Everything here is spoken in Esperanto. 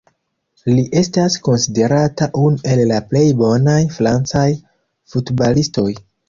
Li estas konsiderata unu el la plej bonaj francaj futbalistoj.